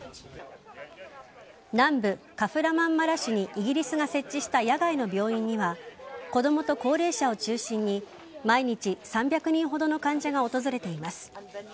南部・カフラマンマラシュにイギリスが設置した野外の病院には子供と高齢者を中心に毎日３００人ほどの患者が訪れています。